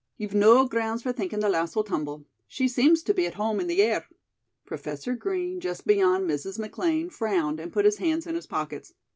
You've no grounds for thinkin' the lass will tumble. She seems to be at home in the air." Professor Green, just beyond Mrs. McLean, frowned, and put his hands in his pockets.